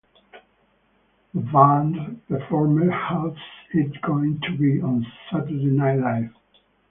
The band performed "How's It Going to Be" on "Saturday Night Live.